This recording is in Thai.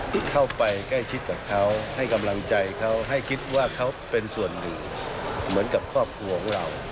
ที่เข้าไปใกล้ชิดกับเขาให้กำลังใจเขาให้คิดว่าเขาเป็นส่วนหนึ่งเหมือนกับครอบครัวของเรา